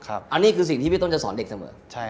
อันนี้คือสิ่งที่พี่ต้นจะสอนเด็กเสมอ